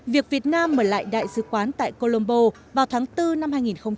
việc việt nam mở lại đại dứ quán tại colombo vào tháng bốn năm hai nghìn một mươi một